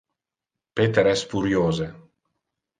Peter es furiose.